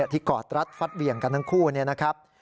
ที่กอดรัฐฟัดเวียงกันทั้งคู่นะครับ